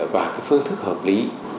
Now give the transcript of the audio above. và cái phương thức hợp lý